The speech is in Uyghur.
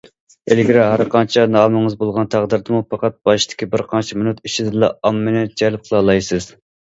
ئىلگىرى ھەرقانچە نامىڭىز بولغان تەقدىردىمۇ، پەقەت باشتىكى بىر قانچە مىنۇت ئىچىدىلا ئاممىنى جەلپ قىلالايسىز.